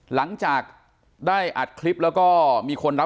หลังจากได้อัดคลิปแล้วมีคนรับรู้รับทราบไปหมดแล้ว